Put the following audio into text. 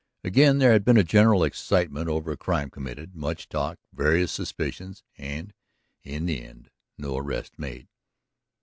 Again there had been a general excitement over a crime committed, much talk, various suspicions, and, in the end, no arrest made.